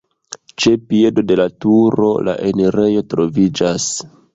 Ĉe piedo de la turo la enirejo troviĝas.